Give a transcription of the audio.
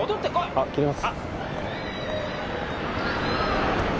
あっ切ります